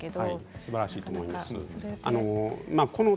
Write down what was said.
すばらしいと思います。